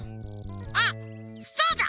あっそうだ！